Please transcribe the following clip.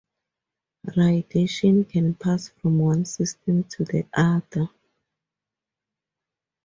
Radiation can pass from one system to the other.